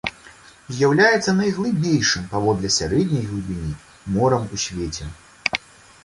З'яўляецца найглыбейшым паводле сярэдняй глыбіні морам у свеце.